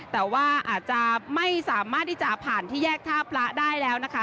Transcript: แต่ว่าอาจจะไม่สามารถที่จะผ่านที่แยกท่าพระได้แล้วนะคะ